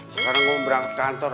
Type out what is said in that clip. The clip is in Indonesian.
sekarang mau berangkat kantor